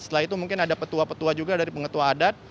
setelah itu mungkin ada petua petua juga dari pengetua adat